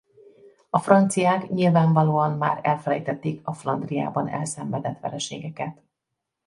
A franciák nyilvánvalóan már elfelejtették a Flandriában elszenvedett vereségeket.